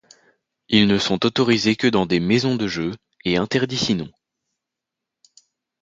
Ils ne sont autorisés que dans des maisons de jeu, et interdits sinon.